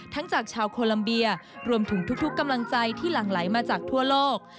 จากชาวโคลัมเบียรวมถึงทุกกำลังใจที่หลั่งไหลมาจากทั่วโลก